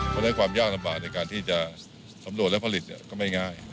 เพราะฉะนั้นความยากลำบากในการที่จะสำรวจและผลิตก็ไม่ง่าย